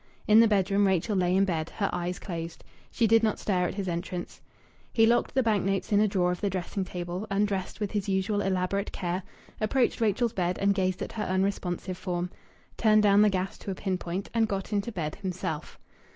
In the bedroom Rachel lay in bed, her eyes closed. She did not stir at his entrance. He locked the bank notes in a drawer of the dressing table, undressed with his usual elaborate care, approached Rachel's bed and gazed at her unresponsive form, turned down the gas to a pinpoint, and got into bed himself.